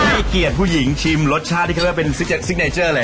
ให้เกียรติผู้หญิงชิมรสชาติที่เขาเรียกว่าเป็นซิกเนเจอร์เลย